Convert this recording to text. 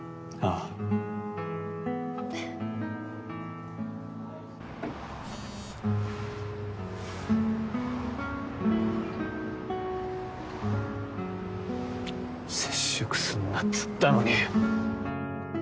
あ接触すんなっつったのに